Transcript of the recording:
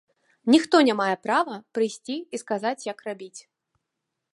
Ніхто не мае права прыйсці і сказаць, як рабіць.